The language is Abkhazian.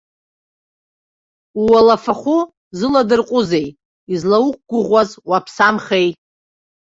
Ууалафахәы зыладырҟәызеи, излауқәгәыӷуаз уаԥсамхеи?